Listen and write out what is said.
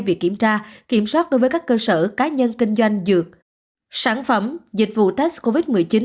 việc kiểm tra kiểm soát đối với các cơ sở cá nhân kinh doanh dược sản phẩm dịch vụ test covid một mươi chín